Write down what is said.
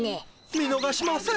見のがしません。